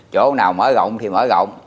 chỗ nào mở rộng thì mở rộng